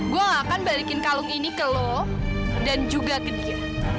gue akan balikin kalung ini ke lo dan juga ke dia